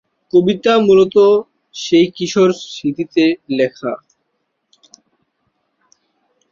কবিতাটি মূলত সেই কিশোরের স্মৃতিতে লেখা।